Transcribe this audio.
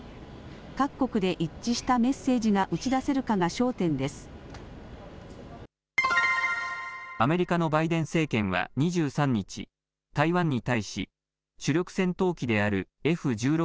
各国で一致したメッセージがアメリカのバイデン政権は２３日台湾に対し主力戦闘機であるＦ１６